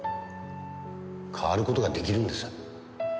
変わる事が出来るんです。